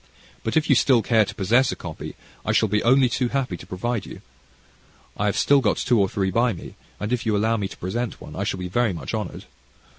But if you still care to possess a copy, I shall be only too happy to provide you; I have still got two or three by me and if you allow me to present one I shall be very much honoured."